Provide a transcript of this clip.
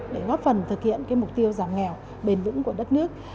để góp phần thực hiện mục tiêu giảm nghèo bền vững của đất nước